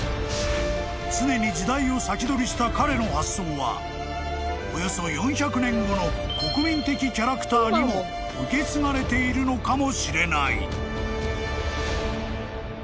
［常に時代を先取りした彼の発想はおよそ４００年後の国民的キャラクターにも受け継がれているのかもしれない］